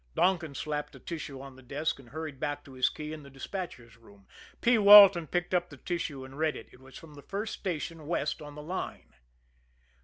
Donkin slapped a tissue on the desk, and hurried back to his key in the despatchers' room. P. Walton picked up the tissue and read it. It was from the first station west on the line.